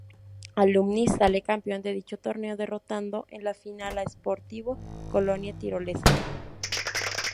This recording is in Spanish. Alumni sale campeón de dicho torneo derrotando en la final a Sportivo Colonia Tirolesa.